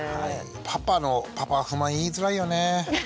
パパのパパは不満言いづらいよね。